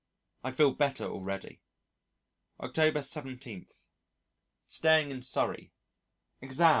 I feel better already. October 17. Staying in Surrey. Exam.